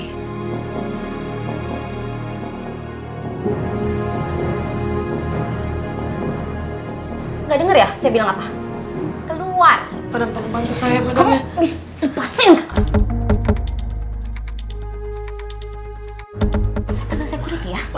gak denger ya saya bilang apa keluar